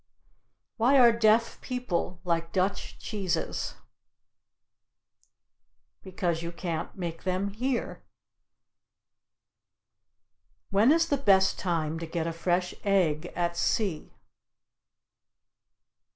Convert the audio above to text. Why are deaf people like Dutch cheeses? Because you can't make them here. When is the best time to get a fresh egg at sea?